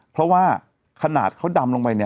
เพราะว่าขนาดเขาดำลงไปเนี่ย